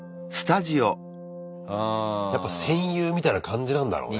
やっぱ戦友みたいな感じなんだろうね。